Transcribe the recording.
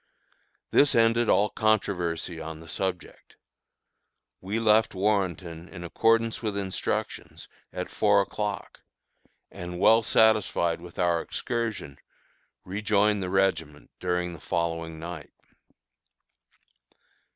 This ended all controversy on the subject. We left Warrenton in accordance with instructions, at four o'clock, and, well satisfied with our excursion, rejoined the regiment during the following night.